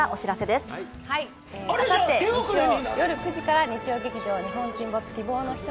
あさって、夜９時から日曜劇場「日本沈没−希望のひと−」